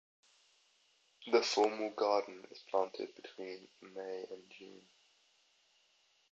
The formal garden is planted between May and June.